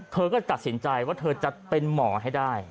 เธอก็ตัดสินใจว่าเธอจะเป็นหมอให้ได้